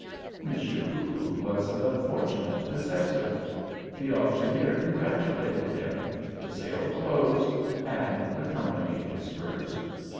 Monsieur Poopoo was the fortunate possessor. The auctioneer congratulated him—the sale closed—and the company dispersed.